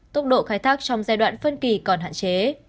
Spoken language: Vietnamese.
tốc độ khai thác trong giai đoạn phân kỳ còn hạn chế